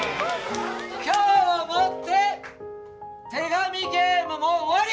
今日をもって手紙ゲームも終わり！